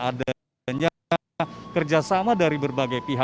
adanya kerjasama dari berbagai pihak